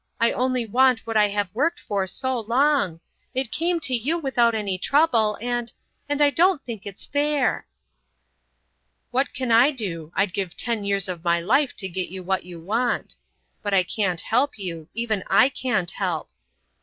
I only want what I have worked for so long. It came to you without any trouble, and—and I don't think it's fair." "What can I do? I'd give ten years of my life to get you what you want. But I can't help you; even I can't help."